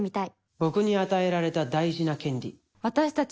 僕に与えられた大事な権利。